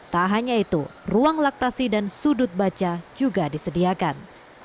tak hanya itu ruang laktasi dan sudut baca juga disediakan